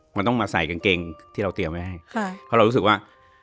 มันต้องมาใส่กางเกงที่เราเตรียมไว้ให้ค่ะเพราะเรารู้สึกว่า